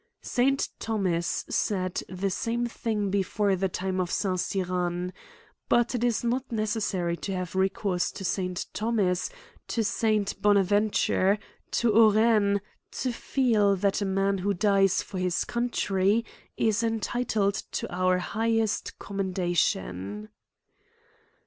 St. Thomas said the same thing be fore the time of St. Cyran. But it is not necessary to have recourse to St. Thomas, to St. Bonaven^ ture, or Hauranc, to feel, that a man who dies for his country is entitled to our highest commenda tion.